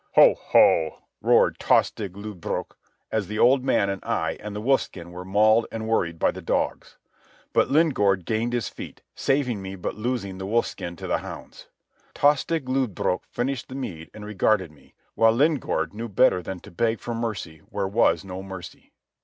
"Ho! ho!" roared Tostig Lodbrog, as the old man and I and the wolfskin were mauled and worried by the dogs. But Lingaard gained his feet, saving me but losing the wolfskin to the hounds. Tostig Lodbrog finished the mead and regarded me, while Lingaard knew better than to beg for mercy where was no mercy.